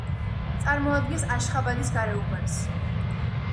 წარმოადგენს აშხაბადის გარეუბანს.